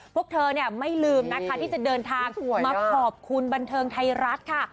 พวกเธอเนี่ยไม่ลืมนะคะที่จะเดินทางมาขอบคุณบันเทิงไทยรัฐค่ะ